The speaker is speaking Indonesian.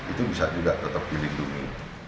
itu bisa juga tetap dilindungi